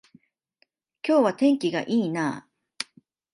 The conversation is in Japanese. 今日は天気が良いなあ